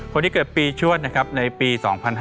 คนที่เกิดปีชวดในปี๒๕๕๙